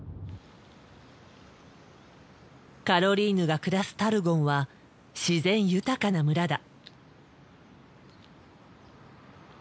カロリーヌが暮らすタルゴンは自然豊かな村だ。